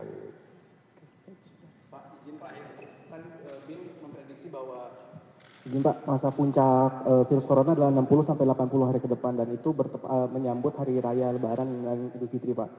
ijin pak masa puncak virus corona adalah enam puluh sampai delapan puluh hari ke depan dan itu menyambut hari raya lebaran dengan ibu fitri pak